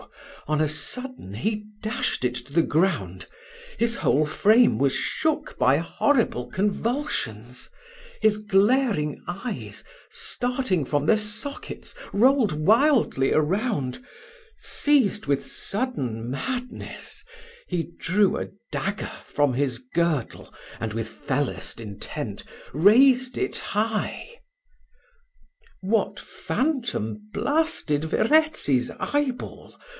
on a sudden he dashed it to the ground his whole frame was shook by horrible convulsions his glaring eyes, starting from their sockets, rolled wildly around: seized with sudden madness, he drew a dagger from his girdle, and with fellest intent raised it high What phantom blasted Verezzi's eyeball!